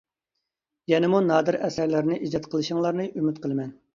يەنىمۇ نادىر ئەسەرلەرنى ئىجاد قىلىشىڭلارنى ئۈمىد قىلىمەن.